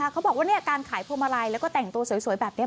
เขาบอกว่าการขายพวงมาลัยแล้วก็แต่งตัวสวยแบบนี้